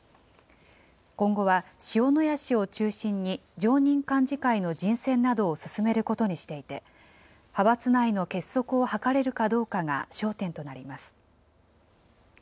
今後は塩谷氏を中心に、常任幹事会の人選などを進めることにしていて、派閥内の結束を図れるかどうかが焦点となります。